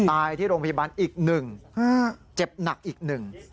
ตายที่โรงพยาบาลอีกหนึ่งเจ็บหนักอีกหนึ่ง